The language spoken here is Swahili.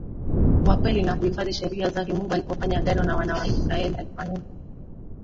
wa kweli na kuhifadhi sheria zake Mungu alipofanya Agano na Wana wa Israel alifanya